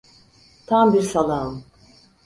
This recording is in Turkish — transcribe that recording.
Tam bir salağım.